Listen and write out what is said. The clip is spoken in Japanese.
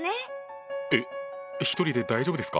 えっ１人で大丈夫ですか？